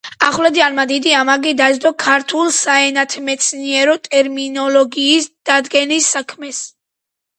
ახვლედიანმა დიდი ამაგი დასდო ქართული საენათმეცნიერო ტერმინოლოგიის დადგენის საქმეს.